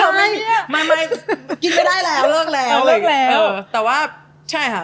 เจ้ากินร่าวยังเป็นการให้คณะหน่อย